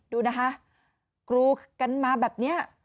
ดูนะคะกรูกันมาแบบนี้